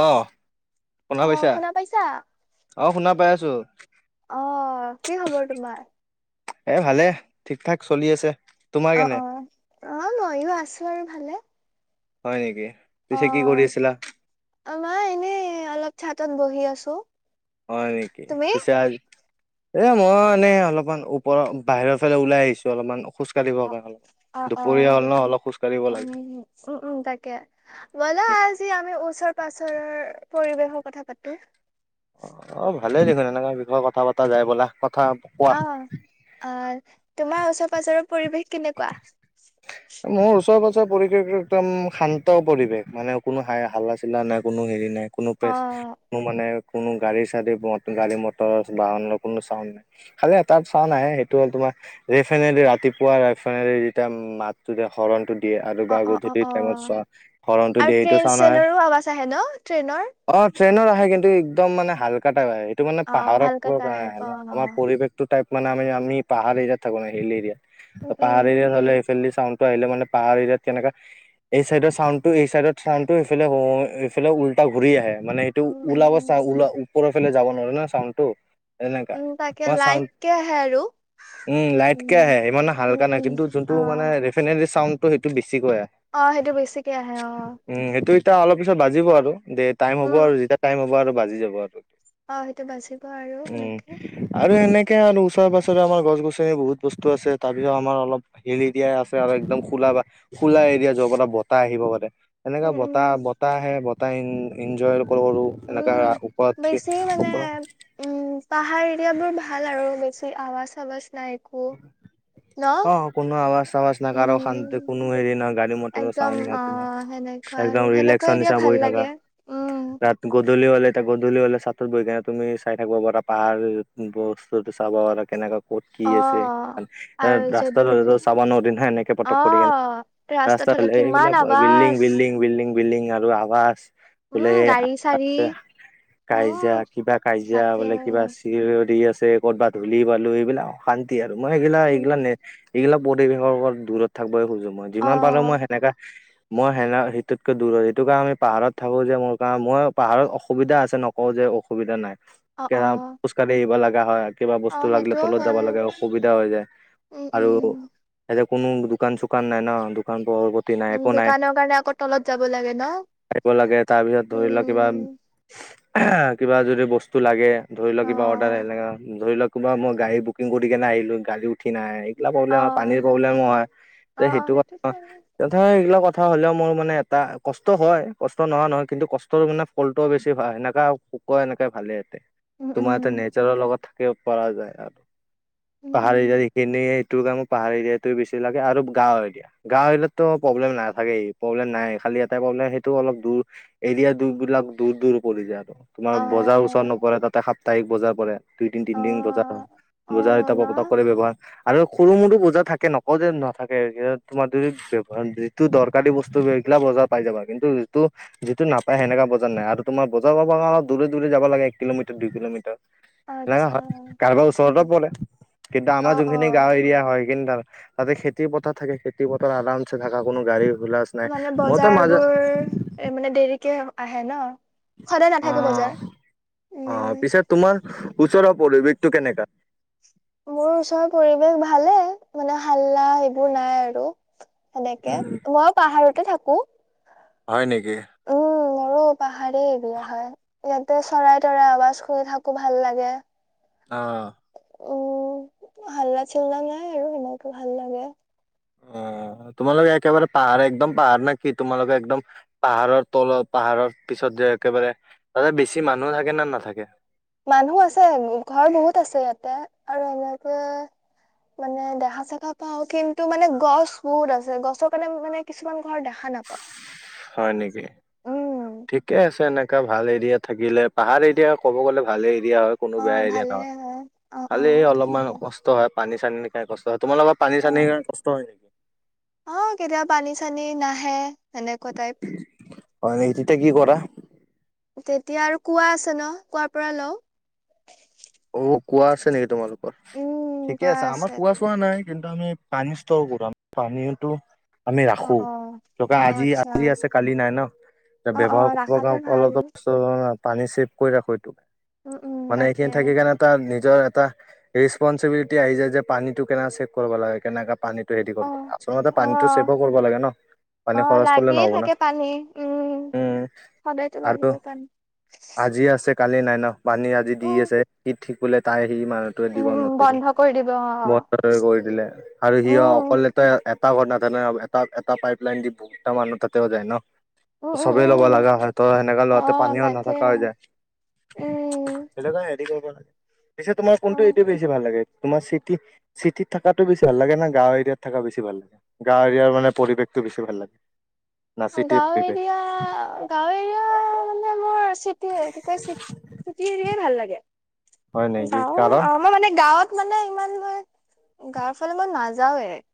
আহ। আহ শুনা পাইছা? আহ শুনা পাই আছো। অ কি খবৰ তোমাৰ? এ ভালে ঠিক ঠাক চলি আছে। তোমাৰ অ কেনে অ অ ময়ো আছো আৰু ভালে। হয় নেকি পিছে কি কৰি আছিলা? অ মা এনেই অলপ চাতত বহি আছো। অ নেকি হয় নেকি তুমি? পিছে এ মই মানে অলপমান ওপৰ বাহিৰৰ ফালে ওলাই আহিছো অলপমান খোজ - দুপৰীয়া হ'ল ন অলপ খ- উ উম উম তাকে ব'লা আজি আমি ওচৰ পাজৰৰ। পৰিৱেশৰ কথা পাতো। অ অ ভালে দেখোন এনেকা বিষয়ে কথা পতা যাই ব'লা। কথা কোৱা অ আহ তোমাৰ ওচৰ পাজৰৰ পৰিৱেশ কেনেকুৱা? মোৰ ওচৰ পাজৰে। পৰিৱেশটো একদম শান্ত পৰিৱেশ মানে কোনো হাই হালা চিলা নাই কোনো হেৰি নাই। কোনো অ প্ৰেৰ মানে কোনো গাড়ী চাড়ী গাড়ী মটৰ বাহনৰ কোনো চাউড নাই খালি এটাত চাউড আহে সেইটো হ'ল তোমাৰ। যে সেনেকে ৰাতিপুৱা ফেনে যেতিয়া মাতো হৰণ। দিয়ে আৰু অ বা অ অ গধূলি অ টাইমত চোৱা হলনটো আৰু দিয়ে সেইটো ট্ৰেইন চাও নাহাই চেইনৰো আৱাজ আহে ন ট্ৰেইনৰ অ। ট্ৰেইনত আহে কিন্তু একদম মানে হাল্কা টাইপ আহে সেইটো মানে অ পাহাৰত হালকা কাৰণে টাইপ আহে অ আমাৰ পৰিৱেশটো টাইপ। মানে আমি আমি পাহাৰ এৰিয়াত থাকো নাই হিল এৰিয়াত উম উম পাহাৰ এৰিয়াত হ'লে সফাল। আহে মানে পাহাৰ এৰিয়াত কেনেকা এই চাইডৰ ছাউণ্ডটো এই ছাউণ্ড ইফফালে উল। টা ঘূৰি আহে মানে সেইটো উম উম ওলাব উম চা ওল ওপৰৰ ফালে যাব নোৱাৰে ন চাউড টো এনেকা। উম তাকে তোমাৰ চাউণ্ড লাইটকে আহে আৰু। উম লাইটকে আহে ইমানে উম হাল্কা নাই উম কিন্তু যোনটো অ মানে দেফিত্নেটলি ছাউণ্ডটো সেইটো। ক অ সেইটো বেছিকে আহে অ উম সেইটো। তেতিয়া অলপ পিছত বাজিব আৰু দে টাইম হ'ব উম আৰু যেতিয়া টাইম হ'ব আৰু বাজি যাব আৰু। অ সেইটো বাাজিব আৰু সেনেকে। তাকে আৰু ওচৰে পাছৰে আমাৰ গছ গছনি বহুত বস্তু আছে তাৰ পিছত আমাৰ অল হেলি দিয়াই আছে। একদম খোলা বা খোলা এৰিয়া যোৱাৰ পৰা বতাহ আহিব পাৰে এনেকা উম উম বতাহ বতাহ আহে। এনজয়ো এনেকা উম বেছি মানে ওপৰত। উম পাহাৰ এৰিয়াাবোৰ ভাল আৰু বেছি আৱাজ আৱাজ নাই। একো ন অ কোনো আৱাজ। আউজ নাই উম কোনো হেৰি ন গাডী মতৰ একদম ছাউণ্ড নাই অ তোমাৰ সেনেকুৱা আৰু একদমক সেনেকুৱা এৰিয়া হিচ। ভাল লাগে উম। দূলি হলে থাকো দূলি হাললে চাতত বহ কেনে তুমি চাই থাকিব পাৰা পাহাৰ বস্তুটো চাব পাৰা কেনেকে। কি অ আছে আৰু যদি ৰাস্তাত চাব নদ নহয় এনেকে অ পটক কৰি কেনে ৰাস্তাত হলে [unintelligible] কিমান এইবিলাক বিল্ডিং, আৱাজ বিল্ডিং বিল্ডিং বিল্ডিং আৰু আৱাজ। বোলে। উম গাড়ী চাড়ী উম কাজিয়া কিবা কাজিয়া তাকে বোলে কিবা চিঞৰি আছে। কৰ'বাত ধূলি পালো এইবিলাক শান্তি আৰু মই সিগিলা উম এইগিলা ন এইগিলাক পৰিৱেশৰ ওৰত দূৰত থাকিবই খোজো মই, অ যিমান পাৰো মই সেনেকা। মই সেনা সিটোতকে দূৰ হ সেইটো কাৰণ আমি পাহাৰত থাকো যে মোৰ কাৰণ মই পাহাৰত অসুবিধা আছে নকওঁ যে। অসুবিধা নাই অ অ খোজ কাঢ়ি আহিব লগা হয় কিবা অ বস্তু লাগিলে সেইটোও তলত যাব হয় লাগে অসুবিধা হৈ যায়, উম আৰু উম এতে কোনো দোকান চোকান নাই ন দোকান। পোহাৰ প্ৰতি নাই উম, একো দোকানৰ কাৰণে আকৌ তলত যাব লাগে ন'? থাকিব লাগে। তাৰপিছত ধৰি লওক কিবা উম কিবা যদি বস্তু লাগে, ধৰি অ লওক কিবা অৰ্ডাৰ এনেকা, ধৰি লওক কিবা মই গাড়ী বুক্‌ কিং কৰিকেনে আহিলো। গাড়ী উঠি নাহে সি খিলা অ প্ৰব্লেম হ'য়, পানীৰ প্ৰব্লেমো হ'য়, অ অ এ সেইটো সেইটোতো আঁ লাগে। সদাই এইবিলাকত কথা হ'লেও মোৰ মানে এটা কষ্ট হ'য়। কষ্ট নহোৱা নহয় কিন্তু কষ্টৰ মানে ফলটোও বেছি ভা সেনেকা শুক্ৰ এনেকে ভালেই আছে। উম তোমাৰ উম হেঁতে নেজৰৰ লগত থাকিব পৰা যায় আৰু উম উম পাহাৰী গড়ীখিনিত্‌ টো কামো পাহাৰী এৰিয়াতটো বেছি লাগে আৰু গাঁও এৰিয়া, গাওঁ এৰিয়াতটো প্ৰব্লেম নাথাকেই, প্ৰব্লেম নাই। খালি এটাই পব্লেম সেইটো অলপ দূৰ, এৰিয়া দূৰ বিলাক, দূৰ দূৰ পৰি যায়। তোমাৰ অ বজাৰ ওচৰত নপৰে, তাতে সাপ্তাহিক বজাৰ পৰে। দুইদিন, অ তিনদিন বজাৰ হ্‌ অ বজাৰ এটা ন কতক্‌ কৰি ব্যৱহাৰ আৰু সৰু -মৰো বজাৰ থাকে, নকওঁ যে নাথাকে। এতিয়া তোমাৰ দৈনিক ব্যৱহাৰ, যিটো দৰকাৰী বস্তু ৰেগুলাৰ বজাৰ পাই যাবাগে। কিন্তু যিটো, যিটো নাপায় সেনেকা বজাৰ নাই আৰু তোমাৰ বজাৰ পাবৰ কাৰণে দূৰে দূৰে যাব্‌ লাগে এককিলোমিটাৰ, দুইকিলোমিটাৰ লাগা আচ্ছা হ'য়। কাৰোবাৰ উম ওচৰতে উম পৰে কিন্তু অ আমাৰ অ যোনখিনি গাওঁ এৰিয়া হ'য়, সেইখিনি থাক্‌ তাতে খেতি পথাৰ থাকে। খেতি পথাৰ আৰাম ছে থাকা কোনো গাড়ী হুলাচ নাই মানে মইতো মাজত বজাৰবোৰ, এ মানে দেৰিকে আহে ন'? সদায় নাথাকে বজাৰ অঁ, অঁ উম পিছে তোমাৰ ওচৰৰ পৰিৱেশটো কেনেকা? মোৰ ওচৰ পৰিৱেশ ভালেই, মানে ' হাল্লা 'এইবোৰ নাই আৰু- সেনেকে। মই পাহাৰতে থাকো। হ'য়, নেকি? উম মোৰো পাহাৰে এৰিয়া হ'য়। ইয়াতে চৰাই- তৰাই আৱাজ কৰি থাকে ভাল লাগে। অঁ। অওঁ, হাল্লা- চাল্লা নাই আৰু সেনেকে ভাল লাগে। অ তোমালোকে একেবাৰে পাহাৰ, একদম পাহাৰ নে কি? তোমালোকে একদম, পাহাৰৰ তলত পাহাৰৰ পিছত যে একেবাৰে। তাতে বেছি মানুহ থাকে না নাথাকে? মানুহ আছে। ঘৰ বহুত আছে ইয়াতে আৰু এনেকে মানে দেখা- চেকা পাওঁ কিন্তু মানে গছ বহুত আছে। গছৰ কাৰণে আমি মানে, কিছুমান ঘৰ দেখা নাই পোৱা। হ'য়, নেকি? ঠিকে আছে এনেকা ভাল এৰিয়া থাকিলে। পাহাৰ এৰিয়া ক'ব গ'লে ভালই এৰিয়া হ'য়। কোনো অ বেয়া এৰিয়া ভালে নহয়। হয় অ অ খালি এই অলপমান তাকে কষ্ট হ'য়, পানী -চানী কাৰনে কষ্ট হ'য়। তোমালোকৰ পানী -চানীৰ কাৰণে কষ্ট হ'য় নাই? অঁ, কেতিয়াবা পানী -চানী নাহে, এনেকুৱা টাইপ হ'য় নেকি? তেতিয়া কি কৰা? তেতিয়া আৰু কোৱা আছে ন' কোৱা পৰা লওঁ। [unintelligible] অ কোৱা আছে নেকি তোমালোকৰ? উম ঠিকে কোৱা আছে, আমাৰ কোৱা চোৱা নাই। কিন্তু আমি পানী ষ্টৰ কৰো। আমি পানীয়েটো [unintelligible] আমি অ ৰাখো। অ টকা অ আজি, আচ্ছা আজি আছে কালি নাই ন'। [unintelligible] এ অ অ ব্যৱহাৰ কৰিব ৰাখাটোৱে ভাল [unintelligible] পানী চেভ কৰি ৰাখো এইটো। উম উম মানে, তাকে এতিয়া থাকিকেনে তাত নিজ্‌ [unintelligible] নিজৰ এটা, ৰেষ্পঞ্চিবিলিটি আহি যায় যে পানীটো কেনকা চেভ কৰিব লাগে, কেনকা পানীত অ [unintelligible] [unintelligible] আচলতে অ পানীটো চেভো কৰিব লাগে ন'। পানী অ খৰচ কৰিলে লাগিয়ে নহব না। থাকে [unintelligible] পানী উম সদায়তো আৰু লাগিব পানী আজি আছে কালি নাই ন'। পানী আজি দি উম আছে, কি ঠিক বোলে তাই সি মানুহটোৱে দিব ন' উম তেতিয়া বন্ধ কৰি দিব অ মই বহি দিলে আৰু সি উম অকলেটো এ এত্‌ [unintelligible] এটা বনাওতে না। এটা, এটা পাইপ লাইন দি দুটা মানুহ তাতে হৈ যায় ন'। উম [unintelligible] উম চবেই ল'ব উম লগা হয় ত' সেনেকা অ লোওতে পানীও তাকে নাথাকা হৈ যায়। [unintelligible] [unintelligible] উম সেইটোকাৰণে ৰেদি কৰিব লাগে পিছে তোমাৰ অ কোনটো এৰিয়াত বেছি ভাল লাগে তোৰ চিটি-চিটিত থকাটো বেছি ভাল লাগে গাঁৱৰ এৰিয়াত থকা বেছি [unintelligible] [unintelligible] ভাল লাগে গাঁৱৰৰ এৰিয়াৰ মানে পৰিৱেশটো বেছি ভাল লাগে [unintelligible] না চিটিৰ গাঁও পৰিৱেশ এৰিয়া গাঁও এৰিয়া [unintelligible] চিটি তেতি চিটি এৰিয়ে ভাল লাগে হয় নেকি গাওঁ কাৰণ আমাৰ মানে গাঁৱত [unintelligible] মানে ইমান মই গাঁৱৰ ফালে মই নাযাওঁৱেই [unintelligible]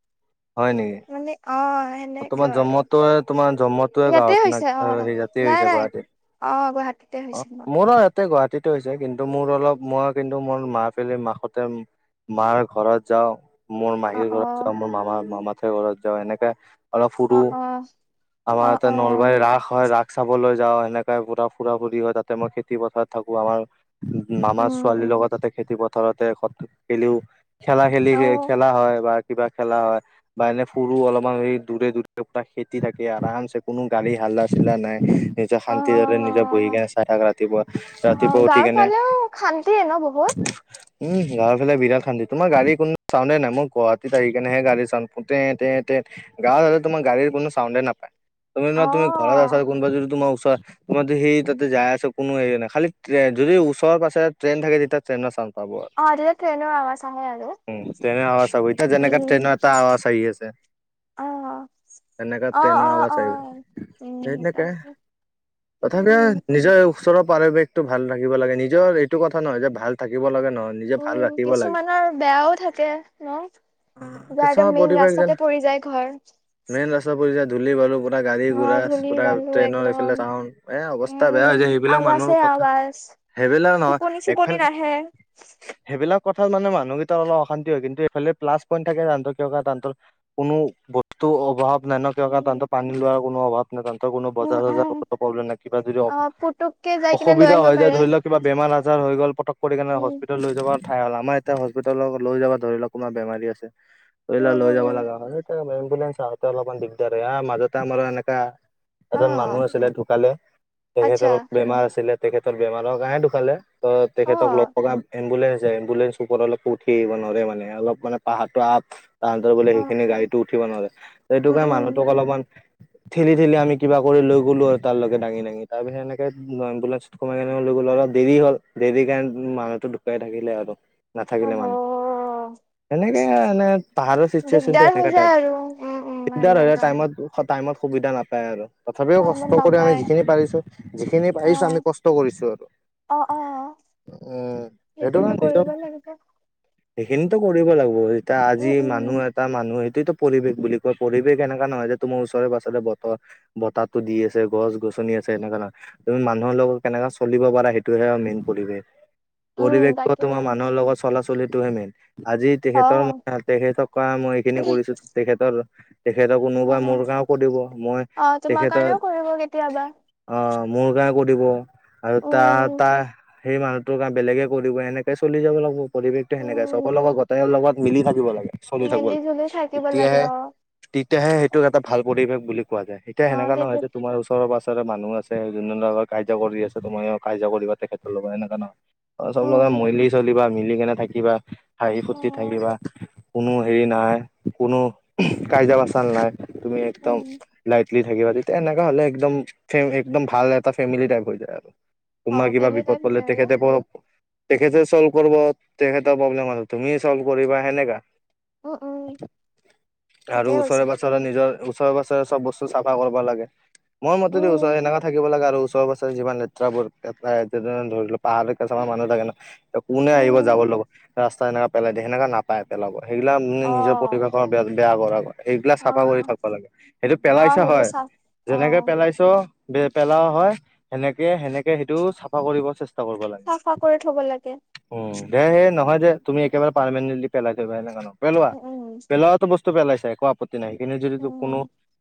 মানে অ [unintelligible] অ তোমাৰ আৰু জন্মটোৱে তোমাৰ [unintelligible] জন্মতোৱেই ইয়াতে গাঁৱত হৈছে অ ন সেই জাতি নাই হৈছে নাই গুৱাহাটী [unintelligible] অ গুৱাহাটীতে অ হৈছে মোৰ গুৱাহাটীত হৈছে কিন্তু মোৰ অলপ মই কিন্তু মোৰ মা পীৰ মাহতে [unintelligible] মাৰ ঘৰত যাওঁ মোৰ অ মাহীৰ অ ঘৰত যাওঁ মোৰ মামা মামাহঁতৰ ঘৰত যাওঁ এনেকে [unintelligible] অলপ অ সুৰু অ আমাৰ অ ইয়াতে অ নলবাৰীৰ ৰাস হয় ৰাস [unintelligible] চাবলৈ যাওঁ সেনেকা পুৰা ফুৰা ফুৰি হয় তাতে মই খেতি পথাৰত থাকো আমাৰ [unintelligible] মামাৰ উম ছোৱালীৰ উম লগত তাতে খেতি পথাৰতে গলেও [unintelligible] খেলা খেলি অ খেলা হয় বা কিবা খেলা হয় বা এনে ফুৰো অলপমান হে [unintelligible] দূৰে-দূৰে পুৰা খেতি থাকে আৰামছে কোনো গাড়ী হাল্লা-চিল্লা নাই [unintelligible] নিজৰ অ শান্তিৰ অ দৰে নিজৰ বহি কেনে চাই থাক অ ৰাতিপুৱা-ৰাতিপুৱা উঠি গাঁৱৰ কেনে ফালেও [unintelligible] [unintelligible] ন বহুত উম গাঁৱৰফালে বিৰাট সান্দি তোমাৰ গাড়ী কোনো চাওঁনে নাই মই গুৱাহাটীত আহি কেনেহে গাড়ী চাওঁতে [unintelligible] গাঁৱত হলে তোমাৰ কোনো চাউণ্ডে নাপায় অ তুমি-তুমি ঘৰত আছা কোনোবা যদি তোমাৰ [unintelligible] তোমাৰ সি তাতে যাই আছ কোনো হেৰি নাই খাল যদি ওচৰৰ পাছ ট্ৰেইন থাকে তেতিয়া ট্ৰেইনৰ চাওঁ [unintelligible] অ একেন চহাৰ আ আৰু [unintelligible] ট্ৰেইনে আৱাচ হত যেনেকে উম ট্ৰেইনৰ এটা আৱাচ আহি আছে [unintelligible] অ তেনেকা অ ট্ৰেইনৰ অ আৱাজ অ আহ সেই উম তেনেকা তাকে [unintelligible] তথাপিও উম নিজৰ ওচৰত [unintelligible] পৰিৱেশটো ভাল থাকিব লাগে নিজৰ এইটো কথা নহয় যে ভাল থাকিব লাগে নহয় [unintelligible] উম ৰাখিব লাগে। কিছুমানৰ বেয়াও থাকে ন অ [unintelligible] যাৰ কিছুমান একদম মেইন পৰিৱেশ যেন ৰাস্তাতে পৰি যায় [unintelligible] মেইন ৰাস্তা পৰি যায় ধূলি বালুবোৰ [unintelligible] গাড়ী অ ঘোৰা ধূলি পোৰা বালু ট্ৰেইনৰ একদম এইফালে চাউ এ অৱস্থা বেয়া উম হৈ যায় সেইবিলাক আৱাজে মানুহৰ কথা [unintelligible] আৱাজ সেইবিলাক টোপনি নহয় চোপনি একফালে নাহে সেইবিলাক [unintelligible] কথা মানে মানুহকেইটা অলপ অশান্তি হয় কিন্তু এইফালে প্লাছ পইণ্ট থাকে তাহাতৰ কিয় তাহাতৰ কোনো [unintelligible] বস্তু অভাৱ নাই ন কিয়ণো উম তাহত পানী লোৱাৰ কোনো অভাৱ [unintelligible] [unintelligible] তন্তৰ কোনো উম বজাৰ উম চজাৰ প্ৰব্লেম নাই কিবা যদি অ [unintelligible] পুতুককে যাই কিনে লৈ অসুবিধা আহিব হয় যায় পাৰে ধৰি লওক কিবা বেমাৰ-আজাৰ হৈ গল [unintelligible] পটক কৰিনে উম হস্পিটেল লৈ যাব ঠাই হ'ল আমাৰ এতিয়া হস্পিটেলত লৈ যাব ধৰি লওক কোনা বেমী আছে [unintelligible] পল উম লৈ উম যাব উম লাগা ন এম্বুুলেস আহোতে অলপ দিগদাৰ হয় মাজতে আমাৰ এনেকা। অ এজন মানুহ আছিলে ঢুকালে আচ্ছা তেখেতৰ বেমাৰ আছিলে। তেখেতৰ বেমাৰ হ কাৰণে ধুকালে ত অ তেখেতক লগক এম্বুলেঞ্চ এম্বুলেন্স ওপৰত অলপ উঠিব নোৱাৰে মানে অলপ মানে পাহাৰটো আপাহ বোলে অ সেইখিনি গাড়ী - উঠিব নোৱাৰে সেইটো উম কাৰণে উম মানুহটোক অলপমান। ঠেলি-ঠেলি আমি কিবা কৰি লৈ গলো আৰু তাৰ লগে দাঙি-দাঙি তাৰ পিছত এনেকে এম্বুলেঞ্চত কমাই কেনে লৈ ত দেৰি হ'ল দেৰি কাৰণে মানুহটো ঢুকাই থাকিলে আৰু নাথাকিলে অহ মানুহ সেনেকে এ পাহাৰৰ চিটুৱেচনটো দিগদাৰ হৈ যায় আৰু উম উম দিগদাৰ হ সেনেকা টাইমত টাইমত সুবিধা নাপায় আৰু তথাপিও কষ্ট টাইমত কৰি আমি নাপায় যিখিনি পাৰিছো যিখিনি অ পাৰিছো আমি কষ্ট কৰিছো আৰু অ অ উম সেইটো সেইখিনিতো কাৰ চ। কৰিব লাগিব সেইখিনিতো কৰিব লাগিব যেতিয়া আজি উম মানুহ উম এটা মানুহ। প্ৰতিটো পৰিবেশ বুলি কয় পৰিবেশ এনেকা নহয় যে তোমাৰ ওচৰে পাৰে বতৰ বতাহো দি আছে গছ-গছ। আচনি আছে এনেকা তুমি মানুহৰ লগত কেনেককাে চলিব পাৰা সেইটোহে মেইন পৰিৱেশ। উম পৰিৱেশটো তাকে তোমাৰ মানুহৰ লগত চলাচলিটোহে মেইন। আজি অ তেখেতৰ ম তেখেতক কা মই এইখিনি কৰিছো। তেখেতৰ তেখেতৰ অ কোনোবা মোৰ কাম কৰিব মই অ তোমাৰ তেখেতৰ। কাৰণেও কৰিব কেতিয়াবা অ মোৰ গা। কৰিব আৰু তাৰ উম তাৰ সেই মানুহটোৰ কাম বেলেগে কৰি দিব এনেকে চলি যাব লাগিব। পৰিৱেশটো সেনেকাই উম চবৰে লগত গোটে লগত মিলি থাকিব লাগে চলি থাকিব মিলি জুলি লাগে। থাকিব লাগে তেতিয়াহে অ তেতিয়াহে সেইটোক এটা ভাল পৰিবেশ বুলি কোৱা যায় এতিয়া অ সেনেকা নহয় তেতিয়া যে তোমাৰ ওচৰৰ পা। জৰে মানুহ আছে যোনজনৰ লগত কাৰ্য কৰি আছে তুমিও কাৰ্য কৰিবা তেখেতৰ লগত এনেকা নহয় চব উম লগত মলি চলিবা, মিলি কেনে থাকিবা, হাঁহি ফূৰ্তি উম থাকিবা কোনো হেৰি নাই। কোনো কাইজা পাচাল নাই তুমি একদম উম লাইটলি। থাকিবা তেতিয়া এনেকা হলে একদম একদম ভাল এটা ফেমিলি টাইপ হৈ যায় আৰু। তোমাৰ কিবা সহকালি বিপদ টাইপ পলে হৈছে আৰু তেখেত পৰাও। তেখেতে চল্ভ কৰিব তেখেতৰ প্ৰব্লেমত তুমি চল্ভ কৰিবা সেনেকা উম উম আৰু ঠিকেই ওচৰে কৈছা পাজৰে নিজৰ ওচৰে পাছৰে চব বস্তু চাফা কৰিব লাগে মই মতেতো ওচৰ উম সেনেকা থাকিব লাগে আৰু ওচৰে পাজৰে যিমান লেটেৰাবস্তু ধৰিলো পাহাৰৰ কেছুমান মানুহ থাকে ন কোনে আহিব উম য ৰাস্তা এনেকা পেলাই দিয়ে সেনেকা নাপাই পেলাব সেইগিলা অ নিজৰ পৰিৱেশৰ বেয়া কৰা হয়। এইবিলাক অ চাফা কৰি থাকব লাগে সেইটো অ পেলাইছা সেইবোৰ হয় চাফ অ যেনেকে পেলাইছ। পেলাও হয় সেনেকে সেনেকে সেইটো চাফা কৰিব চেষ্টা। কৰিব লাগে। চাফা কৰি থব লাগে উম। দে হে নহয় দে তুমি একেবাৰে পাৰেণ্টলি পেলাই থবা সেনেকা নহয় পেলোৱা উম উম পেলোৱাতো বস্তু। পেলাইছা একো আপত্তি নাই কিন্তু যদি কো উম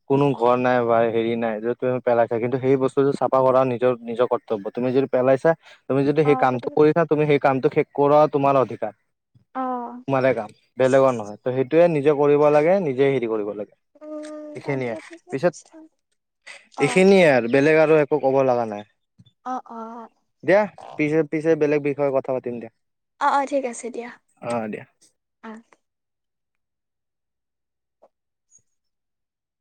কোনো। ঘৰ নাই বা হেৰি নাই যদি তুমি পেলাইছা কিন্তু সেই বস্তুটো চাফা কৰা নিজৰ নিজৰ কৰ্তব্য তুমি যদি পেলাই। ছা তুমি যদি অ সেই তাতে কামটো কৰিছা তুমি সেই কামটো শেষ কৰা তোমাৰ অধিকাৰ। অ তোমাৰে কাম বেলেগৰ নহয়। সেতোৱে নিজে কৰিব লাগে নিজে হেৰি কৰিব লাগে উম এইখিনিয়ে তাকে ঠিকে পিছত। কৈছা অ এইখিনিয়ে আৰু। বেলেগ আৰু একো ক'ব লগা নাই অ অ দিয়া পিছে পিছে বেলেগ। বিষয়ে কথা পাতিম দিয়া। অ অ ঠিক আছে দিয়া অ দিয়া অ।